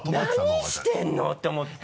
何してんのって思って。